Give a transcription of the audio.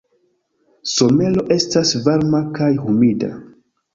Somero estas varma kaj humida.